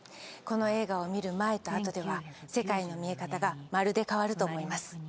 この映画を見る前と後では世界の見え方がまるで変わると思います